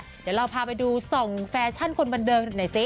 เดี๋ยวเราพาไปดู๒แฟชั่นคนบรรเดิม